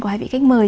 của hai vị khách mời